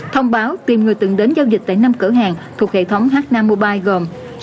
thông báo tìm người từng đến giao dịch tại năm cửa hàng thuộc hệ thống h năm mobile gồm